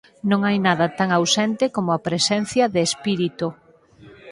Non hai nada tan ausente coma a presencia de espírito.